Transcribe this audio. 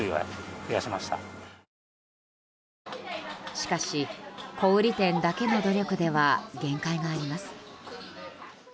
しかし小売店だけの努力では限界があります。